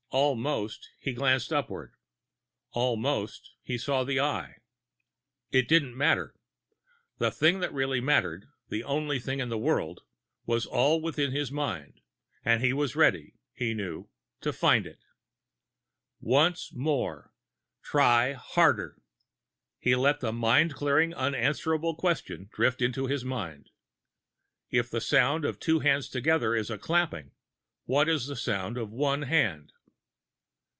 Almost, he glanced upward. Almost, he saw the Eye.... It didn't matter. The thing that really mattered, the only thing in the world, was all within his mind; and he was ready, he knew, to find it. Once more! Try harder! He let the mind clearing unanswerable question drift into his mind: _If the sound of two hands together is a clapping, what is the sound of one hand?